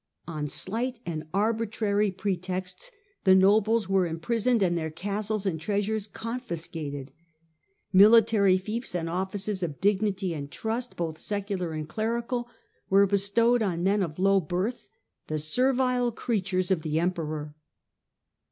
On slight and arbitrary pretexts the nobles were imprisoned and their castles and treasures confis cated, military fiefs and oflSces of dignity and trust, both secular and clerical, were bestowed on men of low birth, the servile creatures of the emperor.